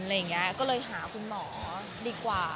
แล้วก็เลยหาคุณหมอดีกว่า